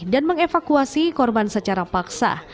dan mengevakuasi korban secara paksa